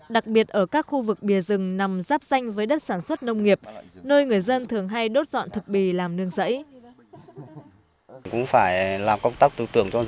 đặc biệt ở các khu vực bìa rừng nằm giáp xanh với đất sản xuất nông nghiệp nơi người dân thường hay đốt dọn thực bì làm nương rẫy